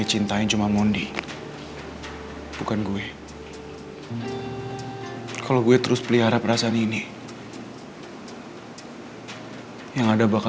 cintanya cuma mondi bukan gue kalau gue terus pelihara perasaan ini yang ada bakal